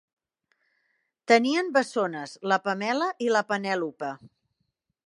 Tenien bessones, la Pamela i la Penèlope.